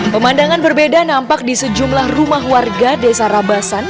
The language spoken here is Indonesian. pemandangan berbeda nampak di sejumlah rumah warga desa rabasan